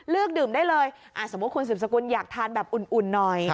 ดื่มได้เลยสมมุติคุณสืบสกุลอยากทานแบบอุ่นหน่อย